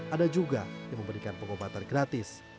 ada juga yang memberikan pengobatan gratis